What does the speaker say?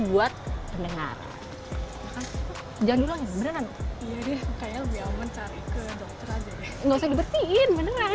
buat pendengar jangan dulu ya beneran kayaknya biar mencari ke dokter aja ya nggak usah dibersihin